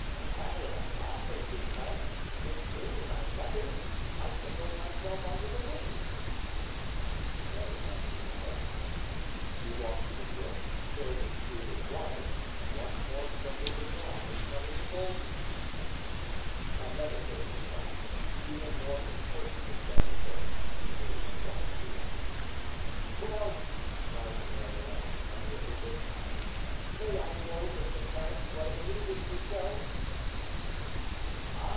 "I am laughing because, in preening my feathers, I tickled myself under the wings." The Marionette did not answer. He walked to the brook, filled his shoe with water, and once more sprinkled the ground which covered the gold pieces. Another burst of laughter, even more impertinent than the first, was heard in the quiet field. "Well," cried the Marionette, angrily this time, "may I know, Mr. Parrot, what amuses you so?"